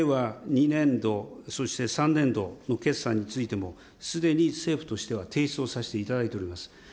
２年度、そして３年度の決算についても、すでに政府としては提出をさせていただいております。